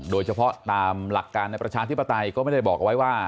โดยเฉพาะตามหลักการในประชาธิปไตยก็ไม่ได้บอกเอาไว้ว่า